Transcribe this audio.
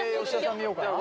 見ようかなじゃ